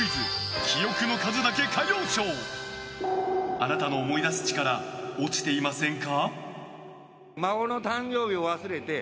あなたの思い出す力落ちていませんか？